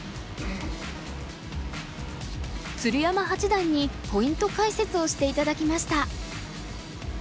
鶴山八段にポイント解説をして頂きました。